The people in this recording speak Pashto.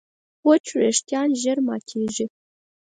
وچ وېښتيان ژر ماتېږي.